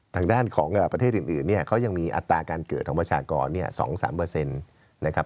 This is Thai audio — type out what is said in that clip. ทางด้านของประเทศอื่นเนี่ยเขายังมีอัตราการเกิดของประชากรเนี่ย๒๓เปอร์เซ็นต์นะครับ